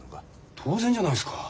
当然じゃないですか。